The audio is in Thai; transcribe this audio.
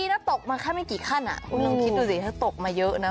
ถ้าตกมาแค่ไม่กี่ขั้นคุณลองคิดดูสิถ้าตกมาเยอะนะ